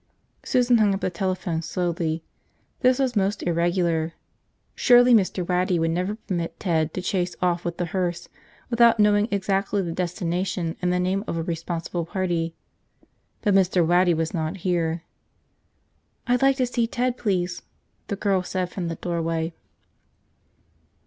Susan hung up the telephone slowly. This was most irregular. Surely Mr. Waddy would never permit Ted to chase off with the hearse without knowing exactly the destination and the name of a responsible party. But Mr. Waddy was not here. "I'd like to see Ted, please," the girl said from the doorway.